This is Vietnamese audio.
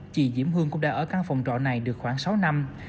chị diễm hương cũng đã ở căn phòng trọ này được khoảng sáu năm